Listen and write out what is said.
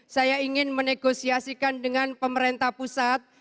saya ingin menegosiasikan dengan pemerintah pusat